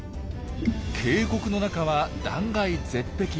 渓谷の中は断崖絶壁。